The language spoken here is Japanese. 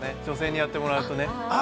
女性にやってもらうとね。